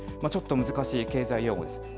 ちょっと難しい経済用語です。